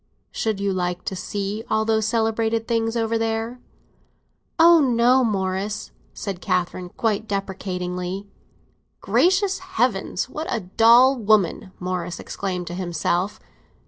"Should you like to see all those celebrated things over there?" "Oh no, Morris!" said Catherine, quite deprecatingly. "Gracious Heaven, what a dull woman!" Morris exclaimed to himself.